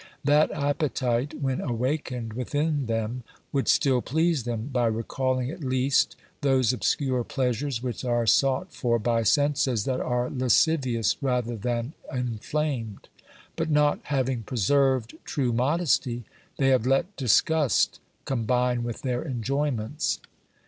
That appetite, when awakened within them, would still please them, by recalling at least those obscure pleasures which are sought for by senses that are lascivious rather than inflamed ; but not having preserved true modesty, they have let disgust combine with their enjoyments.